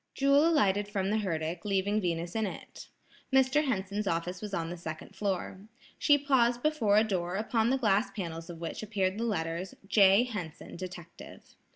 Jewel alighted from the herdic, leaving Venus in it. Mr. Henson's office was on the second floor. She paused before a door upon the glass panels of which appeared the letters: "J. Henson, Detective."